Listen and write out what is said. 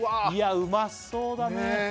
いやうまそうだねねー